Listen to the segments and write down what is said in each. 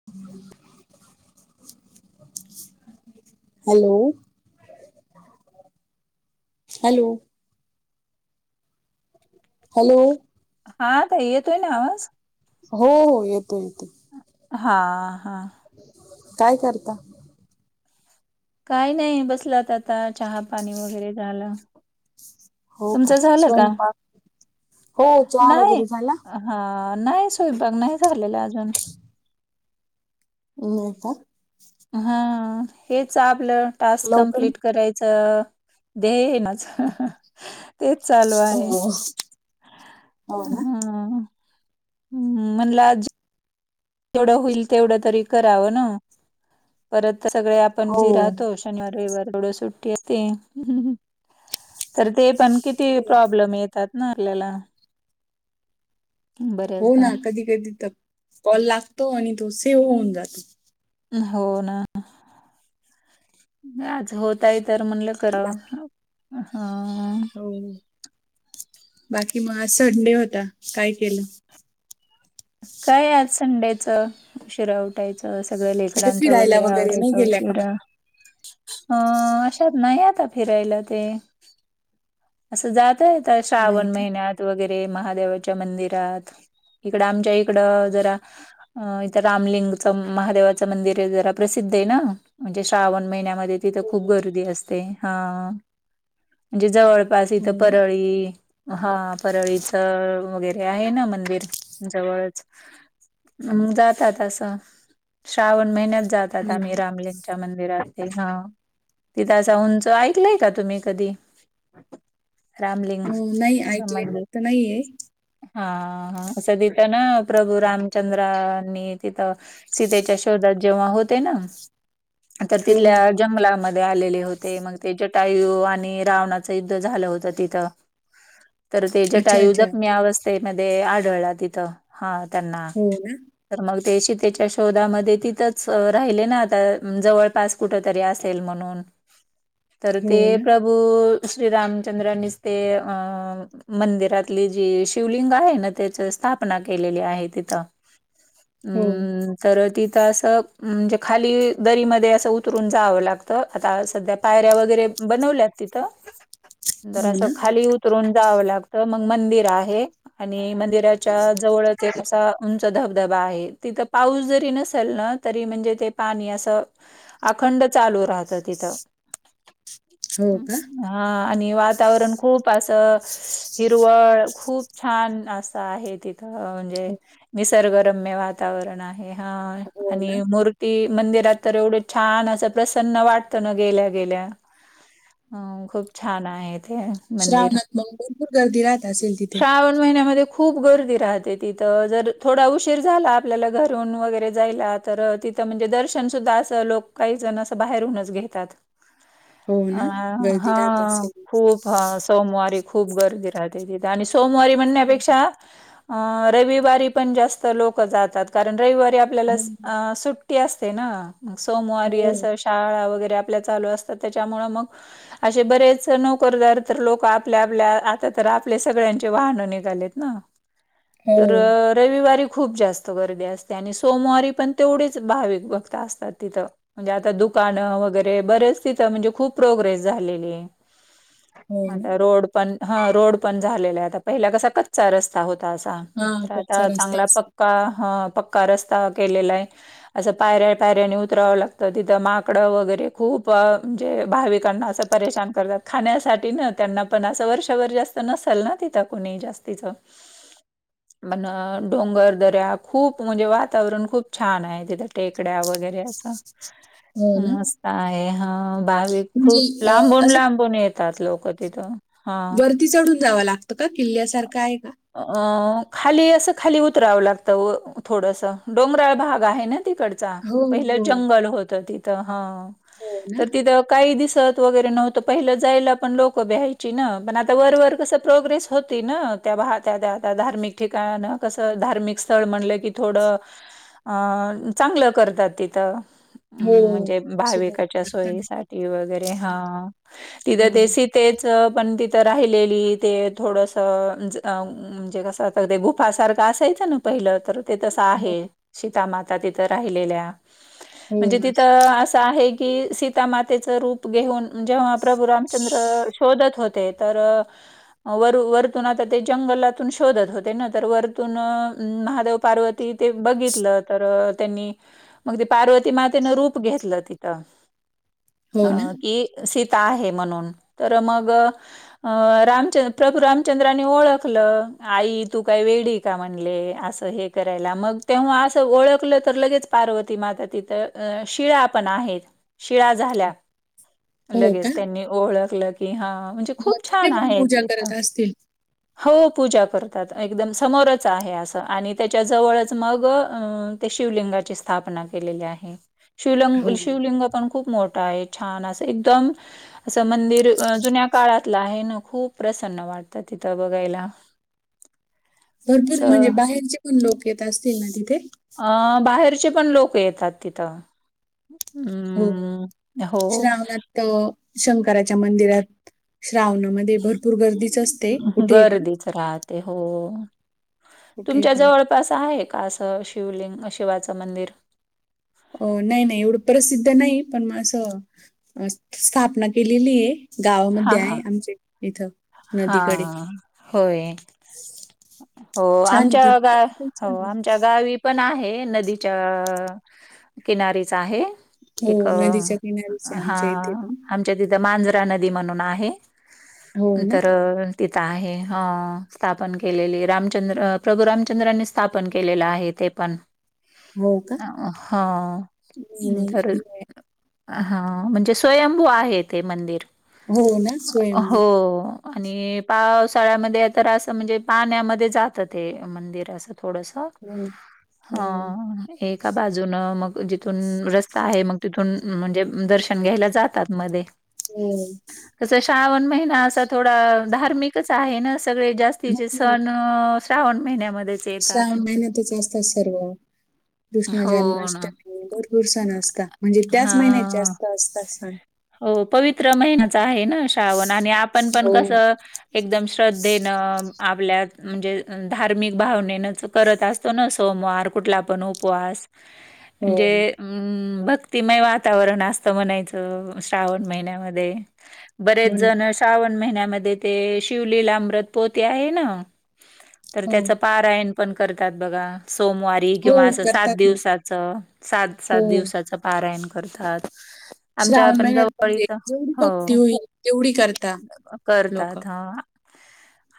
[unintelligible] Hello. Hello. Hello. हा ताई, येतोय ना आवाज? हो हो येतोय येतोय. हा हा. काय करता? काही नाही बसलोत आता, चहा पाणी वगैरे झालं. हो का? तुमचं झालं का? स्वयंपाक? हो चहा वगैरे झाला? हा, नाही स्वयंपाक नाही झालेला अजून. [unintelligible] [inaudible] काय हा हेच आपलं टास्क लवकर कम्प्लीट. करायचं ध्येय आहे माझं. तेच चालू हो आहे, हो ना हम्मं. हम्म म्हणला आज जेवढं होईल तेवढं तरी करावं ना, परत सगळे आपण हो बिझी राहतोच. शनिवार रविवार तेवढ सुट्टी असते तर ते पण. किती प्रॉब्लेम येतात ना आपल्याला. हो ना, बऱ्याचदा कधी कधी तर कॉल लागतो आणि तो सेव्ह होऊन जातो. हो ना आज होत आहे तर म्हणलं. कराव बाकी हा. हो बाकी मग आज संडे होता काय केलं? काय आहे आज संडेचं? उशिरा उठायचं सगळं कुठे लेकरांचं फिरायला वगैरे नाही आवरायचं गेल्या का उशिरा अ अशात नाही आता फिरायला ते असं जातयेत मग नाही श्रावण का महिन्यात वगैरे महादेवाच्या मंदिरात इकडं आमच्या इकडं जरा अ इथं रामलिंगच महादेवाचं मंदिर आहे जरा प्रसिद्ध आहे ना म्हणजे श्रावण महिन्यामध्ये तिथं खूप गर्दी असते हा म्हणजे जवळ पास इथं हो ना परळी हा परळीच वगैरे आहे ना मंदिर जवळच जातात असं श्रावण महिन्यात जात आता हो आम्ही रामलिंगच्या मंदिराते हा तिथं अस उंच ऐकलय का तुम्ही कधी रामलिंग हो नाही च ऐकलेलं मंदीर तर नाहीये हा हा असं तिथं ना प्रभू रामचंद्रांनी तिथं सीतेच्या जेव्हा होते ना तर हो हो तिथल्या जंगलामध्ये आलेले होते मग ते जटायू आणि रावणा युद्ध झालं होत तिथ तर ते अच्छा जटायू अच्छा जखमी अवस्थेत ते मध्ये आढळला तिथं हा त्यांना हो ना तर मग ते शीतेच्या शोधामध्ये तिथंच राहिले ना आता जवळपास कुठ तरी असेल म्हणून ह.. तर ते प्रभू श्री रामचंद्रानीच ते अ मंदिरातली जी शिवलिंग आहे ना त्याची स्थापना केलेली आहे तिथं ह. हम.. तर तिथं असं म्हणजे खाली दरीमध्ये असं उतरून जावं लागतं आता सध्या पायऱ्या वगैरे बनवल्यात तिथं जर हो असं ना खाली उतरून जावं लागत मग मंदिर आहे आणि मंदिरा च्या जवळच ते उंच धबधबा आहे तिथं पाऊस जरी नसेल ना तरी म्हणजे ते पाणी असं अखंड चालू राहत तिथं हो का हा आणि वातावरण खूप असं हिरवळ खूप छान अस आहे तिथ अ म्हणजे हो निसर्गरम्य वातावरण आहे ह हो आणि ना मूर्ती मंदिरात तर एवढं छान असं प्रसन्न वाटतं ना गेल्या गेल्या अ खूप छान आहे ते मंदिर श्रावणात मग भरपूर गर्दी राहत असेल तिथे दोन महिन्यामध्ये खूप गर्दी राहते तिथं जर थोडा उशीर झाला आपल्याला घरून वगैरे जायला तर तिथं म्हणजे दर्शन सुद्धा असं लोक काही जण असं बाहेरूनच घेतात हो ना बर.. हा खूप हा सोमवारी खूप गर्दी राहते तिथे आणि सोमवारी म्हणण्यापेक्षा अ रविवारी पण जास्त लोक जातात कारण रविवारी आपल्याला अ हो सुट्टी सुट्टी असते ना सोमवारी हो असं शाळा वगैरे आपल्या चालू असतात त्याच्यामुळ मग असे बरेच नोकरदार तर लोक आपल्या आपल्या आता तर आपले सगळ्यांचे वाहनं निघालेत ना हो तर रविवारी खूप जास्त गर्दी असते, आणि सोमवारी पण तेवढीच भाविक भक्त असतात तिथं. म्हणजे आता दुकानं वगैरे बरेच तिथं म्हणजे खूप प्रोग्रेस. झालेली आहे. हो ना आता रोड पण ह रोड पण झालेला आहे पहिला कसा- चा रस्ता होता असा, हा तर कच्चा आता रस्ता चांगला असेल पक्का ह पक्का रस्ता केलेला आहे. असं पायऱ्या, पायऱ्यानी उतराव लागतं तिथं माकडं वगैरे खूप म्हणजे भाविकांना- असं परेशान करतात खाण्यासाठी ना त्यांना पण असं वर्षभर जास्त नसेल ना तिथं कुणी जास्तीचं- ह [inaudible] आता डोंगर दऱ्या खूप म्हणजे, वातावरण खूप छान आहे. टेकड्या वगैरेचा हो ना मस्त आहे ह भाविक म्हणजे खूप- अ, असं लांबुन येतात लोक तिथं. हां. वरती चढून जावं लागतं का किल्ल्यासारखं आहे का? अ खाली असं खाली उतरावं लागतं थोडसं, डोंगराळ भाग आहे ना तिकडं - चालेल. हो पहिले हो जंगल होत तिथ ह हो ना तर तिथ काही दिस- वगैरे नव्हत पहिलं जायला पण लोकं भ्यायची ना, पण आता वरवरर कसं प्रोग्रेस होतय ना. त्या वाहत्या त्या ता धार्मिक ठिकाण कसं धार्मिक स्थळ म्हणलं की थोडं- अं चांगलं करतात तिथं. हो हम् म्हणजे सुरुवात भाविकाच्या करताना सोयीसाठी वगैरे हा हो तिथं देस- तेच पण तिथं राहिलेली ते थोडंसं - म्हणजे कसं हो ते गुफासारखं असायचं ना पहिलं तर- ते तस हो आहे सीतामाता तिथ राहिलेल्या. हो म्हणजे अस- तिथं असं आहे. कि सीता मातेचं रूप घेऊन जेव्हा प्रभू रामचंद्र शोधत होते. तर वर वरतून आता ते जंगलातून शोधत होते ना, तर वरतून महादेव पार्वती- ते ते बघितलं तर त्यांनी, मग ते पार्वती मातेनं रूप घेतलं तिथं हो ना अ- ही सीता आहे म्हणून तर मग- अ रामचंद प्रभू रामचंद्रांनी ओळखलं आई तू काय वेगळी- का म्हणले असं हे करायला मग तेव्हा असं ओळखलं तर लगेच पार्वती माता तिथं- शिळा पण आहेत शिळा झाल्या- हो लगेच त्यांनी ओळखलं की हा म्हनजे - ह तिथे पण पूजा करत असतील? हो पूजा करतात. एकदम समोरच आहे असं आणि त्याच्याजवळच मग- ते शिवलिंगाची स्थापना केलेली आहे. शिवलंग हो शिवलिंग पण खूप मोठा आहे. छान असं एकदम- असं मंदिर जुन्या काळातलं आहे ना, खूप प्रसन्न वाटतं तिथं बघायला. भरपूर म्हणजे असं बाहेरचे पण लोक येत असतील ना तिथे? अ बाहेरचे पण लोक येतात. हो अं, हो. श्रावणात शंकराच्या मंदिरात श्रावण- मध्ये भरपूर गर्दीच असते कुठेही पण. गर्दीच राहते हो कुठेही तुमच्या पण जवळ- अ सं आहे का, असं शिवलिंग शिवाचं मंदिर? अ नाही नाही एवढं प्रसिद्ध नाही, पण मग असं स्थापना केलेली आहे. गावामध्ये आहे आमच्या इथं. हा नदीकडे होय. हो छान आहे ती आमच्या गा ती पण हो छान आहे आमच्या गावी. पण आहे, नदीच्या.. किनारीच आहे. हो एक नदीच्या किनारीच आहे हा, आमच्या इथे पण आमच्या तिथं मांजरा नदी म्हणून आहे. हो ना नंतर तिथं आहे, हं. स्थापन केलेली, रामचंद्र प्रभू रामचंद्रांनी स्थापन केलेलं आहे. ते पण, हो का हा नाही नाही धर हे आहे. हा, म्हणजे स्वयंभू आहे ते मंदिर हो ना स्वयंभू हो. आणि पावसाळ्यामध्ये, तर असं म्हणजे पाण्यामध्ये जात ते. मंदिर असं थोडसं, हो ना हो हम्म. हे एका बाजूनं मग जिथून रस्ता आहे, मग तिथून म्हणजे दर्शन घ्यायला जातात मध्ये. हो कसं श्रावण महिना असा थोडा धार्मिकच आ हे ना सगळे जास्तीचे हो सण, श्रावण महिन्यामध्ये. श्रावण महिन्यातच असतात सर्व. कृष्ण हो ना. जन्माष्टमी, भरपूर सण असता, म्हणजे त्याच हा महिन्याचे जास्त असता सण. हो, पवित्र महिनाच आहे ना, श्रावण आणि आपण पण हो कसं एकदम श्रद्धेनं, आपल्यात म्हणजे धार्मिक भावनेनंच करत असतो ना, सोमवार कुठला पण उपवास. हो म्हणजे अम्म् भक्तिमय वातावरण असतं म्हणायचं. श्रावण महिन्यामध्ये बरेच हो ना जण श्रावण महिन्यामध्ये ते शिवलीलामृत पोथी आहे ना तर हो त्याचं, पारायण पण करतात बघा सोमवारी. एक किंवा हो असं सात करतात ना दिवसाचं, सात-सात हो दिवसाचं पारायण करतात. आमच्या श्रावण पण महिन्यात जवळ म्हणजे इथं जेवढी भक्ती हो होईल तेवढी करता लोक करतात, हा.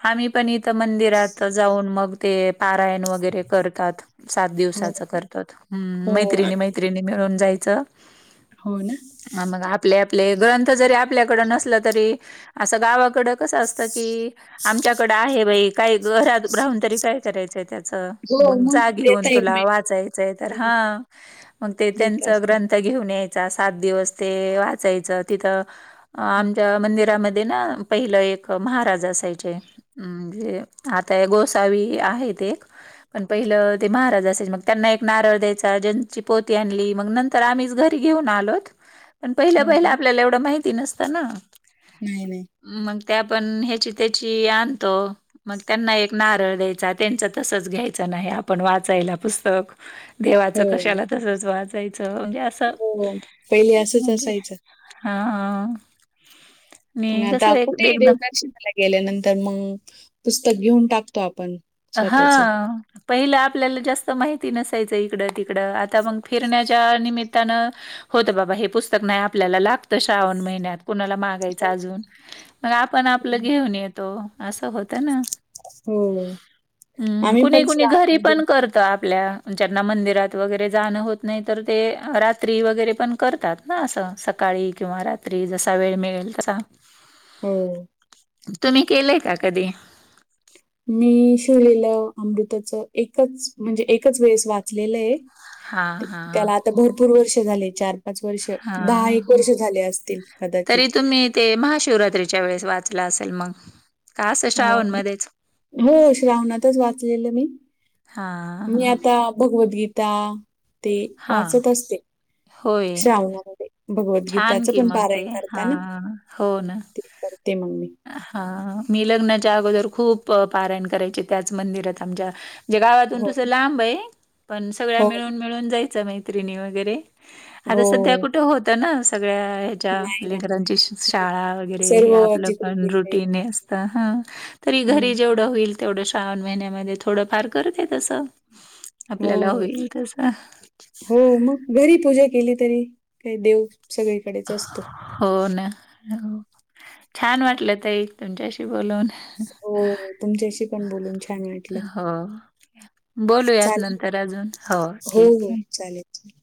आम्ही पण इथं मंदिरात जाऊन मग ते पारायण वगैरे करतात. सात हो दिवसाचं करतोत, हम्म. हो मैत्रिणी आम्ही- मैत्रिणी मिळून जायचं. हो ना? हा, मग आपले आपले ग्रंथ जरी आपल्याकडे नसलं तरी असं गावाकडं कसं असतं की, आमच्याकडं आहे बाई काही घरात राहून तरी काय करायचं त्यात. हो मग जा घेऊन देता तुला एकमेकांना वाचायचंय तर, हा. मग ते देत त्यांच असतात ग्रंथ थ घेऊन यायचा, सात दिवस ते वाचायचं तिथं आमच्या मंदिर रा मध्ये ना पहिलं एक महाराज असायचे अं म म्हणजे आता हे गोसावी आहेत एक पण पहिलं ते महाराज असायचे मग त्यांना एक नारळ द्यायचा, ज्यांची पोथी आणली मग नं तर आम्हीच घरी घेऊन आलोत. पण पहिल्या हो पहिल्या आपल्याला एवढं माहिती नसतं ना. नाही नाही. मग ते आपण ह्याची त्याची आणतो. मग त्यांना एक नारळ द्यायचा, त्यांच तसंच घ्यायचं नाही आपण वाचायला पुस्तक. देवाचं हो कशाला तसंच वाचायचं म्हणजे असं हो पहिले असंच म्हणजे असायचं हा. पण आणि आता कसं एक कुठेही एकदम देवदर्शनाला गेल्यानंतर मंग, पुस्तक घेऊन टाकतो आपण. स्वतःच. हा. पहिलं आपल्याला जास्त माहिती नसायचं इकडं-तिकडं, आता मग फिरण्याच्या निमित्तानं. होतं बाबा, हे पुस्तक नाही आपल्याला लागत. श्रावण महिन्यात कुणाला माग. बघायचं अजून, मग आपण आपलं घेऊन येतो. असं होतं ना? हो. हम्म, आम्ही कुणी पण कुणी घरी श्रावणामध्ये पण कर तर आपल्या ज्यांना मंदिरात वगैरे जाणं होत नाही, तर ते रात्री वगैरे पण करतात. ना, असं सकाळी किंवा रात्री, जसा वेळ मिळेल तसं. हो. तुम्ही केलंय का कधी? मी शिवलेलं अमृताचं एकच, म्हणजे एकच वेळेस वाचलेलं आहे. हा ते हा हा. त्याला आता भरपूर वर्षं झाले, चार-पाच वर्षं, दहा एक हां. वर्षं झाले असतील तरी कदाचित. तुम्ही ते महाशिवरात्रीच्या वेळेस वाचलं असेल मग. का असं श्रावणमध्येच? अहो, श्रावणातच वाचलेलं मी. हां, मी हां. आता भगवद्गीता त्या ते हां, वाचत असते होय. श्रावणामध्ये. छान भगवद्गीतेचं की पण मग ते. पारायण करताना हां, ते करते मग मी. हा, मी लग्नाच्या अगोदर खूप पारायण करायचे, त्याच मंदिरात आमच्या. म्हणजे गावातून हो, तसं लांब आहे, पण सगळ्या हो, मिळून जायचं, मैत्रिणी वगैरे. आता सध्या हो. कुठे होतं ना, सगळ्या नाही ना. लेकरांची शाळा वगैरे, हे सर्व आपलं पण तिकडे-तिकडे. रुटीन असतं. तरी हो घरी ना. जेवढं होईल तेवढं श्रावण महिन्यामध्ये थोडंफार करते तसं. हो, आपल्याला होईल तस. हो, मग घरी पूजा केली तरी काही देव सगळीकडेच असतो. हो ना, छान वाटलं ताई, तुमच्याशी. बोलून हो, तुमच्याशी पण बोलून छान वाटलं. हो. बोलूयात चालेल. नंतर अजून, हो. ठीक आहे. [inaudible]